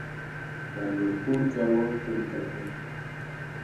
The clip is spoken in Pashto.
دا لوړ پوړو چارواکو ته لیکل کیږي.